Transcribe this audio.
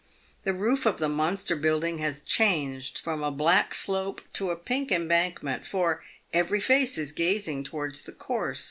The roof of the monster building ha3 changed from a black slope to a pink embankment, for every face is gazing towards the course.